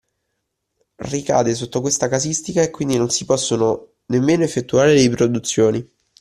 Ricade sotto questa casistica e quindi non si possono nemmeno effettuare riproduzioni.